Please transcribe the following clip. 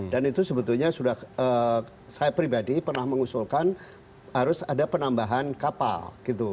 dan itu sebetulnya sudah saya pribadi pernah mengusulkan harus ada penambahan kapal gitu